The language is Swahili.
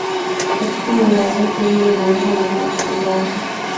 katika magazeti hii naanza na lefigaho